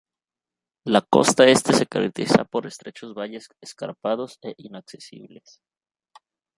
La costa este se caracteriza por estrechos valles escarpados e inaccesibles.